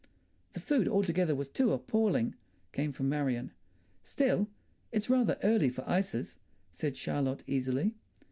"The food altogether was too appalling," came from Marion. "Still, it's rather early for ices," said Charlotte easily.